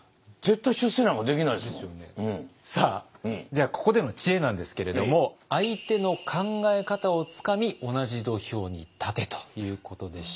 じゃあここでの知恵なんですけれども「相手の考え方をつかみ同じ土俵に立て」ということでした。